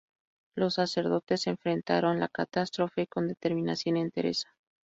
Los sacerdotes enfrentaron la catástrofe con determinación y entereza.